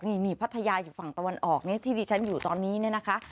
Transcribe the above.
นี่พัทยาอยู่ฝั่งตะวันออกเนี่ยที่ดิฉันอยู่ตอนนี้เนี่ยนะคะ